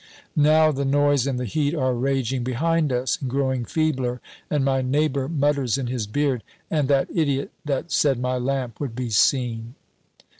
Now, the noise and the heat are raging behind us and growing feebler, and my neighbor mutters in his beard, "And that idiot that said my lamp would be seen!"